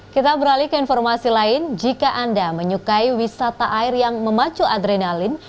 kita beralih ke informasi lain jika anda menyukai wisata air yang memacu adrenalin